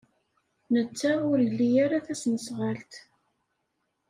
Netta ur ili ara tasnasɣalt.